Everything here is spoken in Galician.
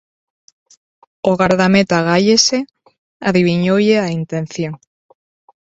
O gardameta Gallese adiviñoulle a intención.